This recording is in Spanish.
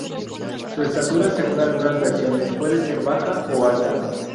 Su estatura según algunas versiones puede ser baja o alta.